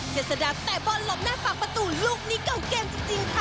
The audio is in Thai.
เจษฎาเตะบอลหลบหน้าปากประตูลูกนี้เก่าเกมจริงค่ะ